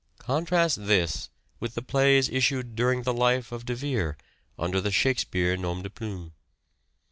Contrast this with the plays issued during the life of De Vere under the " Shakespeare " nom de plume.